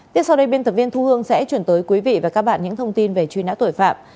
tiếp sau đây biên tập viên thu hương sẽ chuyển tới quý vị và các bạn những thông tin về truy nã tội phạm